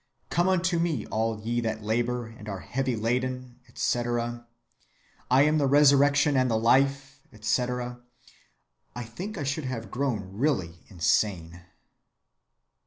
'Come unto me, all ye that labor and are heavy‐laden,' etc., 'I am the resurrection and the life,' etc., I think I should have grown really insane."